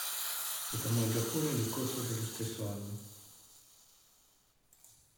Ritornò in Giappone nel corso dello stesso anno.